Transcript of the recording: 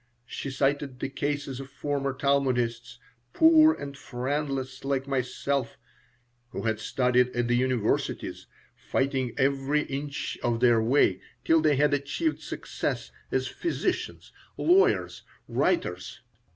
She cited the cases of former Talmudists, poor and friendless like myself, who had studied at the universities, fighting every inch of their way, till they had achieved success as physicians, lawyers, writers.